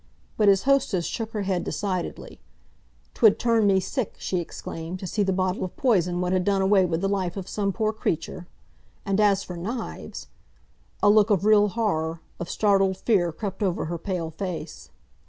But his hostess shook her head decidedly. "'Twould turn me sick," she exclaimed, "to see the bottle of poison what had done away with the life of some poor creature! "And as for knives—!" a look of real horror, of startled fear, crept over her pale face.